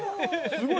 すごい！